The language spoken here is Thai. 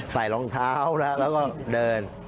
ใส่รองเท้าแล้วแล้วก็เดิน